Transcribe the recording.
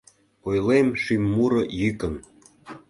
Ойлем шӱм муро йӱкын